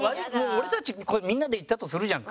俺たちみんなで行ったとするじゃんか。